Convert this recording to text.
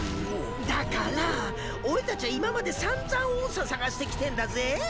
だからあ俺たちゃ今までさんざん音叉探してきてんだぜぇ？